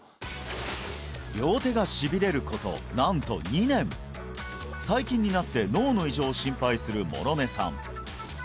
両手がしびれることなんと２年最近になって脳の異常を心配する諸根さん